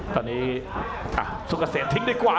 ตอนนี้สุกเกษมทิ้งดีกว่า